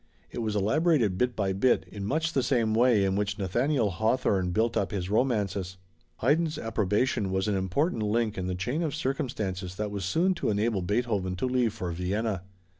It was elaborated bit by bit in much the same way in which Nathaniel Hawthorne built up his romances. Haydn's approbation was an important link in the chain of circumstances that was soon to enable Beethoven to leave for Vienna.